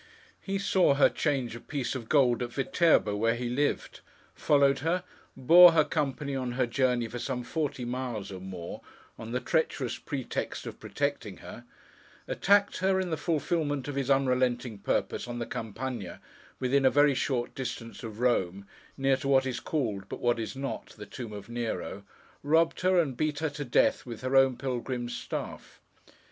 He saw her change a piece of gold at Viterbo, where he lived; followed her; bore her company on her journey for some forty miles or more, on the treacherous pretext of protecting her; attacked her, in the fulfilment of his unrelenting purpose, on the Campagna, within a very short distance of Rome, near to what is called (but what is not) the Tomb of Nero; robbed her; and beat her to death with her own pilgrim's staff.